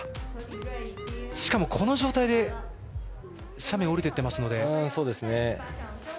しかも、この状態で斜面を降りていっていますので。